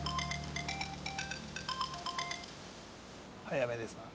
早めですな。